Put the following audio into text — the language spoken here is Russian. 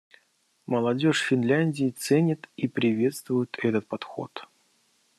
Молодежь Финляндии ценит и приветствует этот подход.